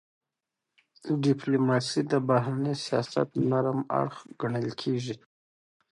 ډيپلوماسي د بهرني سیاست نرم اړخ ګڼل کېږي.